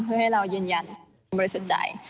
เพื่อให้เรายืนยันบริสุทธิ์ใจ